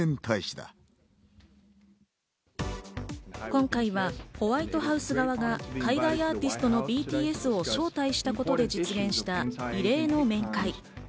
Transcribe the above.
今回はホワイトハウス側が海外アーティストのＢＴＳを招待したことで実現した異例の面会。